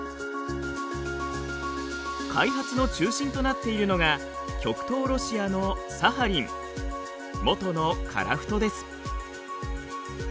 開発の中心となっているのが極東ロシアのサハリン元の樺太です。